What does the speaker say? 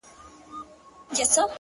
هم راته غم راکړه ته _ او هم رباب راکه _